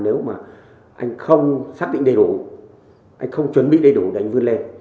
nếu mà anh không xác định đầy đủ anh không chuẩn bị đầy đủ để anh vươn lên